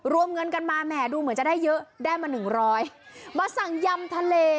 รวมเงินกันมาแห่ดูเหมือนจะได้เยอะได้มาหนึ่งร้อยมาสั่งยำทะเล